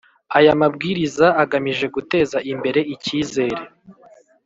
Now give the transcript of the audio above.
Aya mabwiriza agamije guteza imbere icyizere